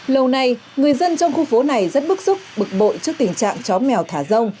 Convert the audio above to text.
lâu nay người dân trong khu phố này rất bức xúc bực bội trước tình trạng chó mèo thả rông